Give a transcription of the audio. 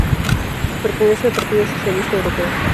Pertenece al Partido Socialista Europeo.